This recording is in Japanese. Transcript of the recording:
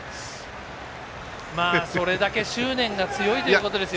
それだけ執念が強いということですよ。